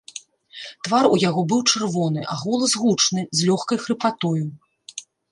Твар у яго быў чырвоны, а голас гучны, з лёгкай хрыпатою.